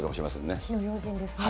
火の用心ですね。